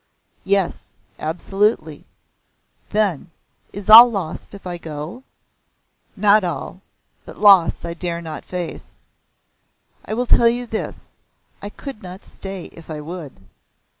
"Yes. Absolutely." "Then, is it all loss if I go?" "Not all. But loss I dare not face." "I will tell you this. I could not stay if I would.